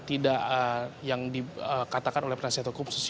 tidak yang dikatakan oleh penasihat hukum